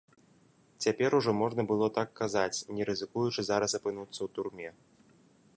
Цяпер ужо можна было так казаць, не рызыкуючы зараз апынуцца ў турме.